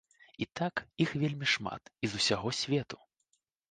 І так, іх вельмі шмат і з усяго свету.